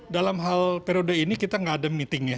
dalam hal periode ini kita tidak ada meeting ya